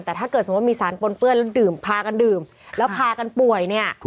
แต่ถ้าเกิดสมมุติมีสารปนเปื้อนแล้วดื่มพากันดื่มแล้วพากันป่วยเนี่ย